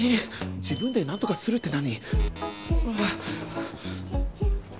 自分で何とかするって何？